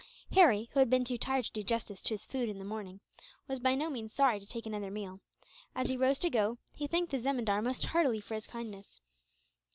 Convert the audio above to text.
Harry, who had been too tired to do justice to his food in the morning, was by no means sorry to take another meal. As he rose to go, he thanked the zemindar most heartily for his kindness.